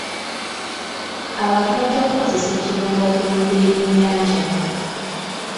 Abantu bajja kukozesa ekirombe okulunda ebyennyanja.